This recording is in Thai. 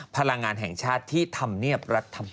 พลังงานแห่งชาติที่ทำเนียบรัฐบาล